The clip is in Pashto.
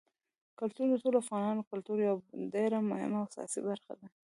کلتور د ټولو افغانانو د ګټورتیا یوه ډېره مهمه او اساسي برخه ده.